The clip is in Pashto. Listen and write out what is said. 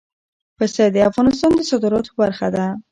پسه د افغانستان د صادراتو برخه ده.